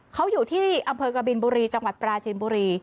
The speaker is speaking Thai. เขาอยู่ที่อำเภอกบินบุรีจังหวัดปราจีนบุรี